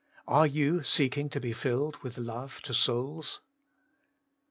Are you seeking to be filled with love to souls?